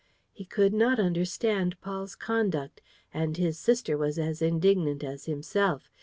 ..." He could not understand Paul's conduct. And his sister was as indignant as himself.